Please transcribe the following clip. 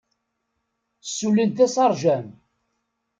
Ssulin-t d asarjan.